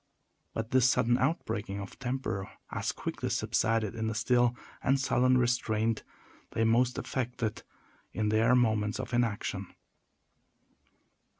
But this sudden outbreaking of temper as quickly subsided in the still and sullen restraint they most affected in their moments of inaction.